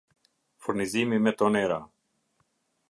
Furnizimi me tonera